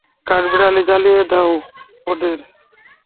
কাঠবিড়ালি, জ্বালিয়ে দাও ওদের।